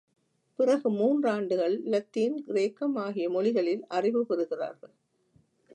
பிறகு மூன்றாண்டுகள் இலத்தீன், கிரேக்கம் ஆகிய மொழிகளில் அறிவு பெறுகிறார்கள்.